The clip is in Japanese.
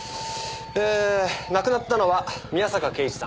えー亡くなったのは宮坂敬一さん。